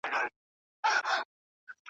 مخامخ یې کړله منډه په ځغستا سو ,